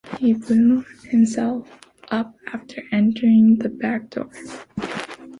He blew himself up after entering the back door.